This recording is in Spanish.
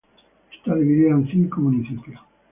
Está dividida en cinco municipios.